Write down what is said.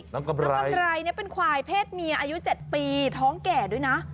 น้องกำไรเป็นควายเพศเมียอายุ๗ปีท้องแก่ด้วยนะ